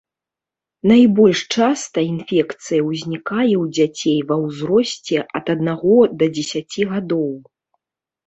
Найбольш часта інфекцыя ўзнікае ў дзяцей ва ўзросце ад аднаго да дзесяці гадоў.